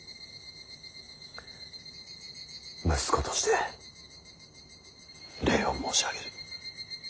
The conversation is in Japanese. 息子として礼を申し上げる。